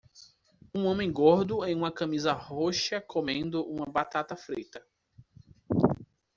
Um homem gordo em uma camisa roxa comendo uma batata frita.